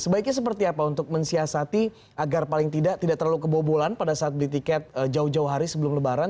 sebaiknya seperti apa untuk mensiasati agar paling tidak tidak terlalu kebobolan pada saat beli tiket jauh jauh hari sebelum lebaran